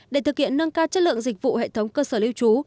để thực hiện nâng cao chất lượng dịch vụ hệ thống cơ sở lưu trú